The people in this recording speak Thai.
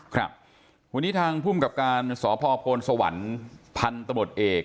ครับวันนี้ทางพุ่มกับการสพสวรรค์พันธมติเอก